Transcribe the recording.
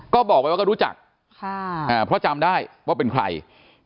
ก็บอกไปว่าก็รู้จักเพราะจำได้ว่าเป็นใคร